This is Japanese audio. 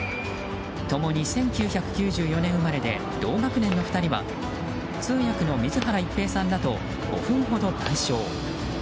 共に１９９４年生まれで同学年の２人は通訳の水原一平さんらと５分ほど談笑。